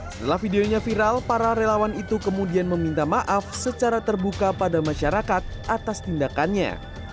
setelah videonya viral para relawan itu kemudian meminta maaf secara terbuka pada masyarakat atas tindakannya